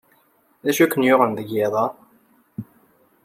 D acu ay ken-yuɣen deg yiḍ-a?